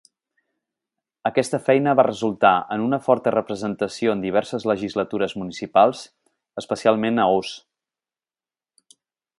Aquesta feina va resultar en una forta representació en diverses legislatures municipals, especialment a Oss.